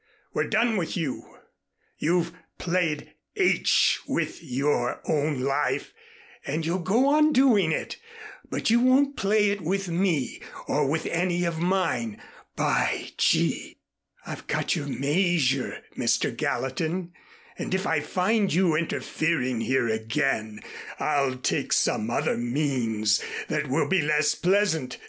We're done with you. You've played h with your own life and you'll go on doing it, but you won't play it with me or with any of mine, by G . I've got your measure, Mr. Gallatin, and if I find you interfering here again, I'll take some other means that will be less pleasant.